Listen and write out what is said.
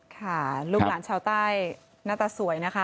ค่ะลูกหลานชาวใต้หน้าตาสวยนะคะ